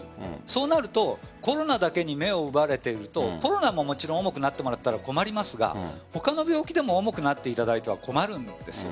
そうなるとコロナだけに目を奪われているとコロナももちろん重くなってもらったら困りますが他の病気でも重くなっていただいては困るんです。